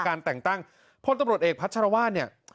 การแต่งตั้งพลตบรวจเอกพัชรวาส